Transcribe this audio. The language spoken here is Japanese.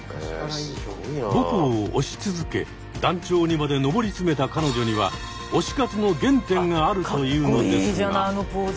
母校を推し続け団長にまで上り詰めた彼女には推し活の原点があるというのですが。